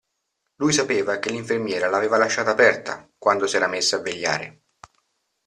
Lui sapeva che l'infermiera l'aveva lasciata aperta, quando s'era messa a vegliare.